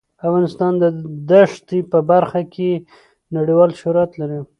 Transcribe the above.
افغانستان د ښتې په برخه کې نړیوال شهرت لري.